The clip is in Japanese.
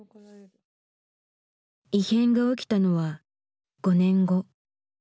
異変が起きたのは５年後。